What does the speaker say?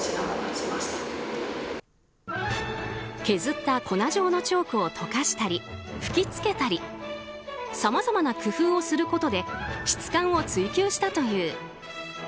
削った粉状のチョークを溶かしたり、吹き付けたりさまざまな工夫をすることで質感を追求したという。